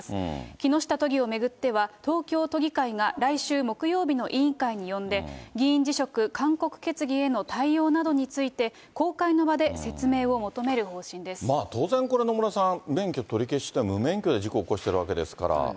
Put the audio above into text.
木下都議を巡っては、東京都議会が来週木曜日の委員会に呼んで、議員辞職勧告決議への対応などについて、こうかいのばでせつめいまあ、当然これ、野村さん、免許取り消しで、無免許で事故起こしてるわけですから。